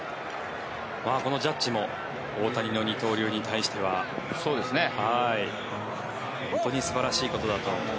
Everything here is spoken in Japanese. このジャッジも大谷の二刀流に対しては本当に素晴らしいことだと。